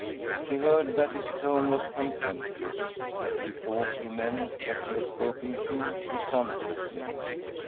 She heard that his tone was contemptuous, but she thought he meant that she had spoken too presumptuously.